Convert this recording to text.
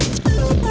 wah keren banget